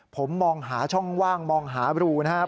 ผมมองหาช่องว่างมองหารูนะครับ